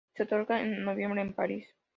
Se otorga en noviembre en París.